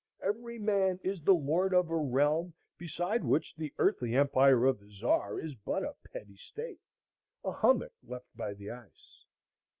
Every man is the lord of a realm beside which the earthly empire of the Czar is but a petty state, a hummock left by the ice.